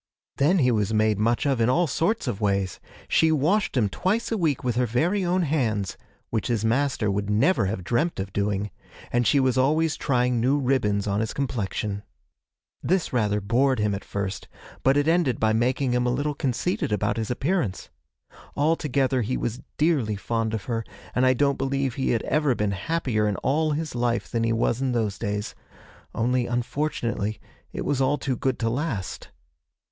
Then he was made much of in all sorts of ways; she washed him twice a week with her very own hands which his master would never have dreamt of doing and she was always trying new ribbons on his complexion. That rather bored him at first, but it ended by making him a little conceited about his appearance. Altogether he was dearly fond of her, and I don't believe he had ever been happier in all his life than he was in those days. Only, unfortunately, it was all too good to last.'